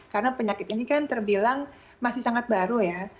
karena penyakit ini kan terbilang masih sangat baru ya